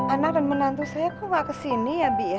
anak dan menantu saya kok nggak kesini ya bi ya